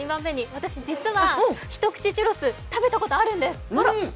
私、実はひとくちチュロス食べたことあるんです。